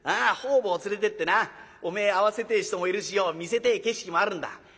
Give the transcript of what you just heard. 方々連れてってなおめえ会わせてえ人もいるしよ見せてえ景色もあるんだ。